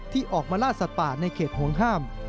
ที่ออกมาล่าสัตว์ป่าในเขตห่วงห้าม